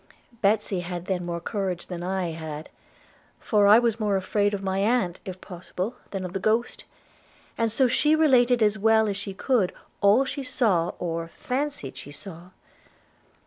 Betsy had then more courage than I had; for I was more afraid of my aunt, if possible, than of the ghost, and so she related as well as she could all she saw, or fancied she saw.